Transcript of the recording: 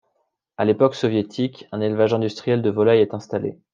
À l'époque soviétique, un élevage industriel de volailles est installé.